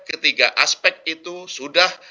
ketiga aspek itu sudah